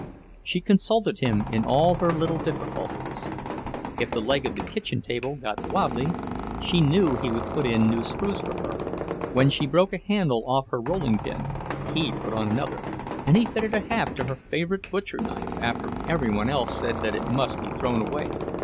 She consulted him in all her little difficulties. If the leg of the kitchen table got wobbly, she knew he would put in new screws for her. When she broke a handle off her rolling pin, he put on another, and he fitted a haft to her favourite butcher knife after every one else said it must be thrown away.